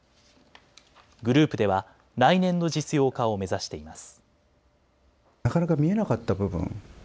グループでは来年の実用化を目指しています。